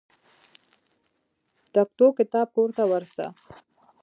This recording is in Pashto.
تکتو کتاب کور ته ورسه.